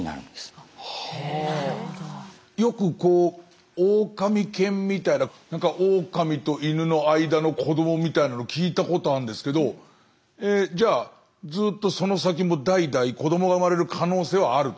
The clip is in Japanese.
よくこうオオカミ犬みたいなオオカミとイヌの間の子どもみたいなの聞いたことあるんですけどじゃあずっとその先も代々子どもが生まれる可能性はある。